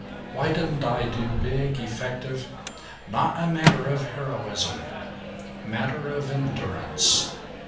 Why didn't I do big effective " "Not a matter of heroism. Matter of endurance.